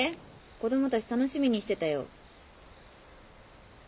子供たち楽しみにしてたよ。